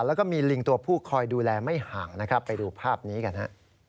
แล้วก็มีลิงตัวผู้คอยดูแลไม่ห่างนะครับไปดูภาพนี้กันฮะ